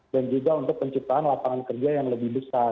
dan juga untuk penciptaan lapangan kerja yang lebih besar